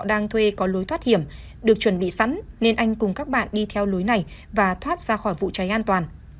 nhiều người đều có lối thoát hiểm được chuẩn bị sẵn nên anh cùng các bạn đi theo lối này và thoát ra khỏi vụ cháy an toàn